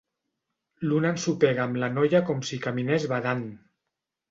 L'un ensopega amb la noia com si caminés badant.